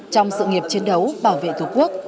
trong sự nghiệp chiến đấu bảo vệ thủ quốc